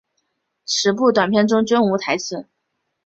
十部短片中均无台词。